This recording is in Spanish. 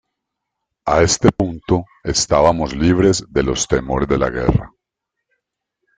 A este punto estábamos libres de los temores de la guerra.